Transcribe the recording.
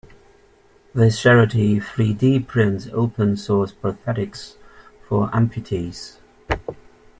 This charity three-d prints open source prosthetics for amputees.